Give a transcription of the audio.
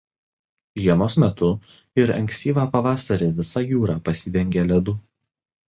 Žiemos metu ir ankstyvą pavasarį visa jūra pasidengia ledu.